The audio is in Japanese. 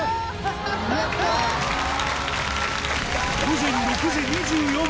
午前６時２４分